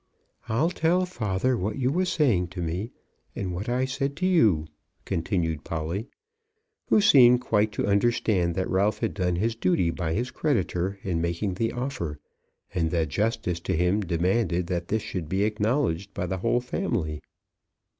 "I'll tell father what you was saying to me and what I said to you," continued Polly, who seemed quite to understand that Ralph had done his duty by his creditor in making the offer, and that justice to him demanded that this should be acknowledged by the whole family.